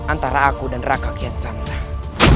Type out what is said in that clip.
antara aku dan rakyat kian santang